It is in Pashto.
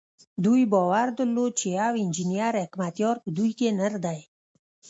دوی باور درلود چې يو انجنير حکمتیار په دوی کې نر دی.